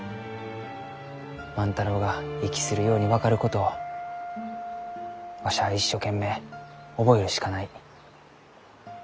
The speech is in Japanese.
万太郎が息するように分かることをわしは一生懸命覚えるしかない。